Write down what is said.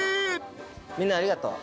みんなありがとう。